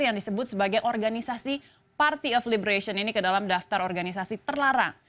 yang disebut sebagai organisasi party of liberation ini ke dalam daftar organisasi terlarang